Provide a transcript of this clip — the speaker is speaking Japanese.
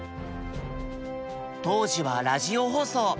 当時はラジオ放送。